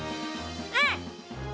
うん！